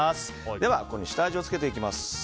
ではここに下味をつけていきます。